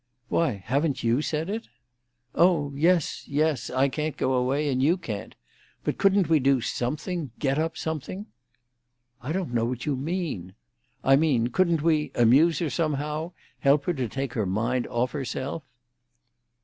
"Why, haven't you said it?" "Oh yes—yes. I can't go away, and you can't. But couldn't we do something—get up something?" "I don't know what you mean." "I mean, couldn't we—amuse her somehow? help her to take her mind off herself?"